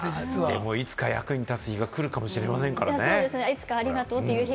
でも役に立つ日が来るかもしれませんからね。